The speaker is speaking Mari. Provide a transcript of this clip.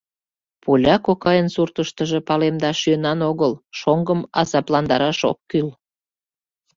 Поля кокайын суртыштыжо палемдаш йӧнан огыл, шоҥгым азапландараш ок кӱл.